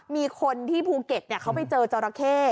มีคนที่ภูเก็กเนี่ยเขาไปเจอจรเข้